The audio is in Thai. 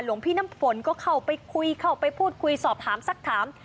หลวงพี่น้ำฝนก็เข้าไปคุยเข้าไปพูดคุยสอบถามสักถาม